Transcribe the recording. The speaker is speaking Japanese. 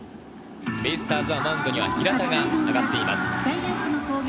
ベイスターズ、マウンドには平田が上がっています。